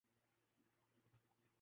مولوی حضرات ویسے ہی فارغ لگتے ہیں۔